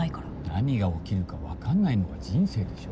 何が起きるか分かんないのが人生でしょ。